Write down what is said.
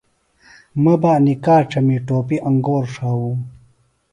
مہ بہ انیۡ کاڇمی ٹوپیم انگور ݜاووم